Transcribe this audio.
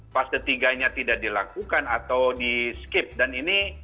fase tiga nya tidak dilakukan atau di skip dan ini